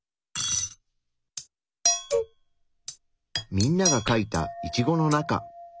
みんながかいたイチゴの中。